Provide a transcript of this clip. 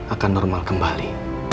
akan normal kembali